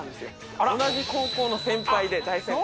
同じ高校の先輩で大先輩。